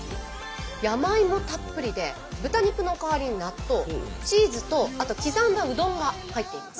山芋たっぷりで豚肉の代わりに納豆チーズとあと刻んだうどんが入っています。